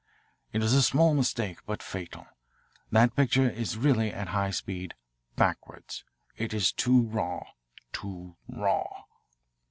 It is a small mistake, but fatal. That picture is really at high speed backwards! It is too raw, too raw."